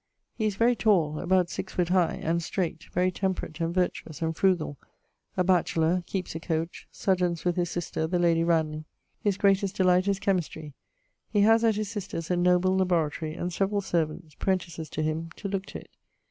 He is very tall (about six foot high) and streight, very temperate, and vertuouse, and frugall: a batcheler; keepes a coach; sojournes with his sister, the lady Ranulagh. His greatest delight is chymistrey. He haz at his sister's a noble laboratory, and severall servants (prentices to him) to looke to it.